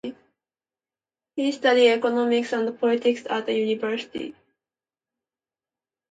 He studied economics and politics at a university.